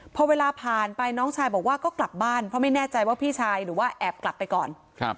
พอเวลาผ่านไปน้องชายบอกว่าก็กลับบ้านเพราะไม่แน่ใจว่าพี่ชายหรือว่าแอบกลับไปก่อน